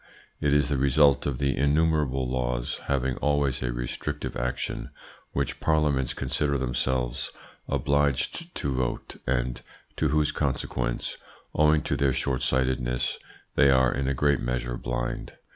It is the result of the innumerable laws having always a restrictive action which parliaments consider themselves obliged to vote and to whose consequences, owing to their shortsightedness, they are in a great measure blind.